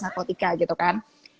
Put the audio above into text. narkotika gitu kan